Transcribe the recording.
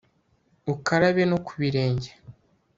ukarabe no ku birenge